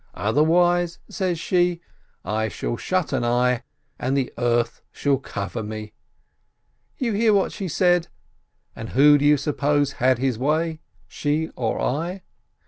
Otherwise," says she, "I shall shut an eye, and the earth shall cover me!" You hear what she said? And who, do you suppose, had his way — she or I?